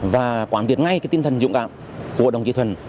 và quán biệt ngay cái tinh thần dũng cảm của đồng chí thuận